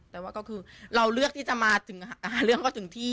แต่ว่าก็คือเราเลือกที่จะมาถึงเรื่องก็ถึงที่